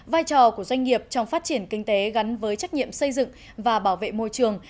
vai trò của doanh nghiệp trong phát triển kinh tế gắn với trách nhiệm xây dựng và bảo vệ môi trường